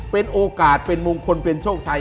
เป็นโอกาสเป็นมงคลเป็นโชคชัย